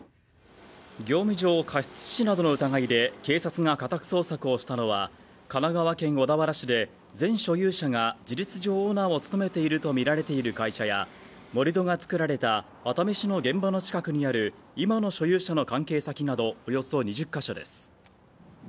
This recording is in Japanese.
業務上過失致死の疑いで警察が家宅捜索をしたのが神奈川県小田原市で前所有者が事実上オーナーを務めているとみられる会社や盛り土が造られた熱海市の現場の近くにある今の所有者の関係先など、およそ２０カ所です。